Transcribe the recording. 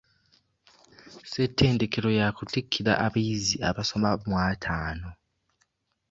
Ssettendekero yakuttikira abayizi abasoba mu ataano.